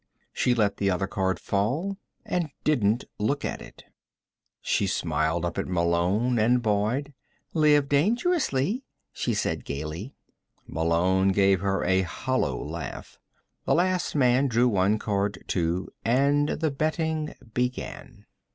She let the other card fall and didn't look at it. She smiled up at Malone and Boyd. "Live dangerously," she said gaily. Malone gave her a hollow laugh. The last man drew one card, too, and the betting began.